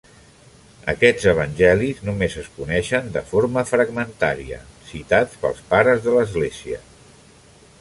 Aquests evangelis només es coneixen de forma fragmentària, citats pels pares de l'església.